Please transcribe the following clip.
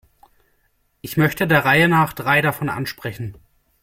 Ich möchte der Reihe nach drei davon ansprechen.